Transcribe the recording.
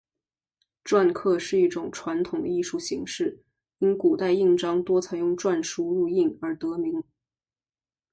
篆刻是一种传统的艺术形式，因古代印章多采用篆书入印而得名。